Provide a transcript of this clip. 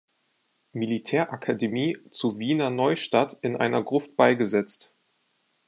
Militärakademie zu Wiener Neustadt in einer Gruft beigesetzt.